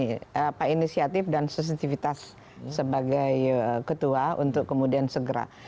ini juga inisiatif dan sensitifitas sebagai ketua untuk kemudian segera